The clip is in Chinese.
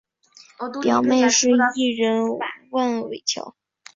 表妹是艺人万玮乔。